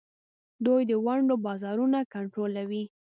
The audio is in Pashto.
دوی د ونډو بازارونه کنټرولوي.